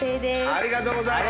ありがとうございます。